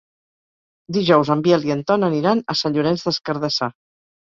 Dijous en Biel i en Ton aniran a Sant Llorenç des Cardassar.